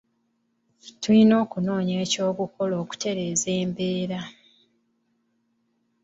Tuyina okunoonya eky'okukola okutereeza embeera.